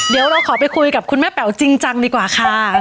เดี๋ยวเราขอไปคุยกับคุณแม่แป๋วจริงจังดีกว่าค่ะ